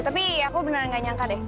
tapi aku benar benar nggak nyangka deh